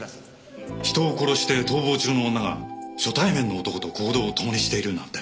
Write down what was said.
人を殺して逃亡中の女が初対面の男と行動を共にしているなんて。